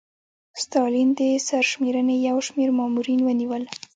ستالین د سرشمېرنې یو شمېر مامورین ونیول